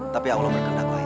tapi allah berkendak lain